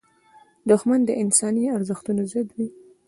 دښمن د انساني ارزښتونو ضد وي